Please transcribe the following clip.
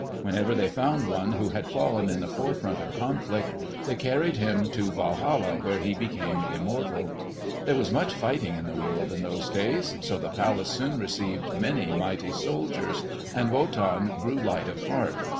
Whenever they found one who had fallen in the forefront of conflict, they carried him to Walhalla where he became immortal. There was much fighting in the world in those days, so the palace soon received many mighty soldiers, and Wotan grew light of heart.